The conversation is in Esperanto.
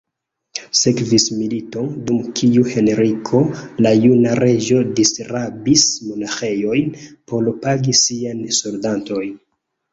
Sekvis milito, dum kiu Henriko la Juna Reĝo disrabis monaĥejojn por pagi siajn soldatojn.